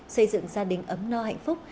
xây dựng gia đình ấm no hạnh phúc